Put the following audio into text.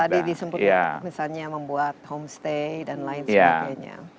tadi disebutkan misalnya membuat homestay dan lain sebagainya